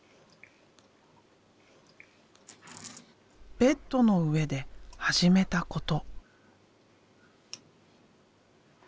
ベッドの上で始めたこと。